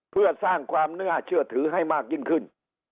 เพื่อสร้างความน่าเชื่อถือให้มากยิ่งขึ้น